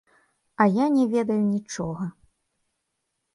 А я не ведаю нічога.